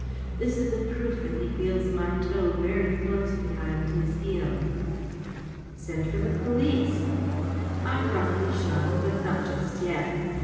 This is a proof that he feels my toe very close behind his heel.‚ÄĚ " Send for the police.‚ÄĚ " I probably shall. But not just yet.